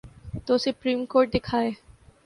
تو supreme court دکھائے۔